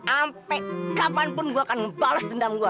ampe kapanpun gue akan ngebales dendam gue